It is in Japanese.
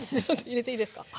入れていいですか？